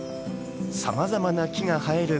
さまざまな木が生える